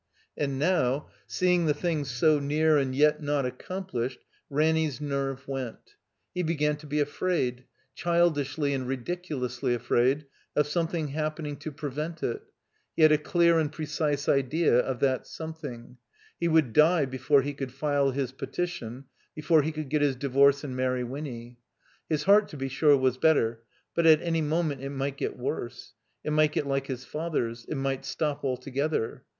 And now, seeing the thing so near and yet not accomplished, Ranny's nerve went. He began to be afraid, childishly and ridiculously afraid, of some thing happening to prevent it. He had a clear and precise idea of that something. He would die before he could file his petition, before he could get his divorce and marry Winny. His heart to be sure was better; but at any moment it might get worse. It might get like his father's. It might stop alto gether.